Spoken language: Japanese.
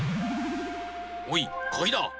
おいかぎだ！